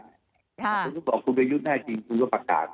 ในานหนึ่งเขาบอกยูดแน่จริงประกาศ